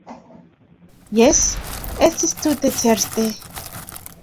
Jes, estis tute certe.